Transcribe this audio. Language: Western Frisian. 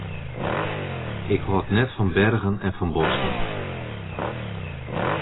Ik hâld net fan bergen en fan bosken.